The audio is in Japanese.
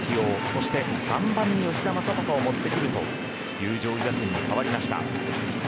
そして３番に吉田正尚をもってくるという上位打線に代わりました。